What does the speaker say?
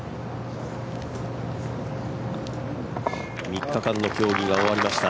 ３日間の競技が終わりました